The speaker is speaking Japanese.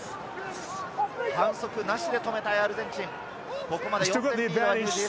反則なしで止めたいアルゼンチン。